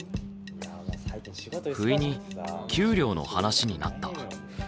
ふいに給料の話になった。